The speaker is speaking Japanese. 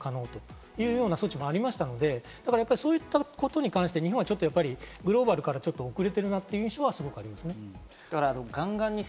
そういう措置もありましたので、そういったことに関して日本はグローバルからちょっと遅れてるなという印象がありますね。